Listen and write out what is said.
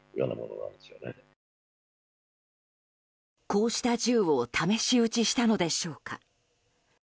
こうした銃を試し撃ちしたのでしょうか。